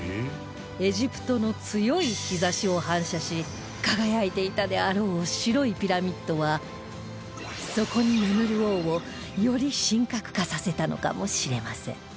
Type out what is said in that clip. エジプトの強い日差しを反射し輝いていたであろう白いピラミッドはそこに眠る王をより神格化させたのかもしれません